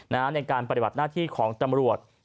ในการปฏิบัติหน้าที่ของตำรวจ